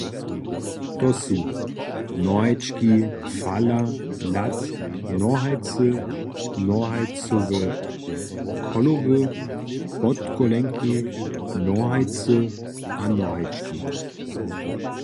To su cholowčki, fala, lack, nohajcy, nohajcowe cholowy, podkolenki, nohajcy a nohajčki.